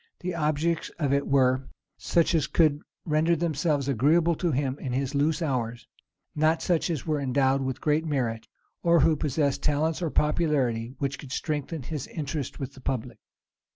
The objects of it were such as could render themselves agreeable to him in his loose hours; not such as were endowed with great merit, or who possessed talents or popularity which could strengthen his interest with the public.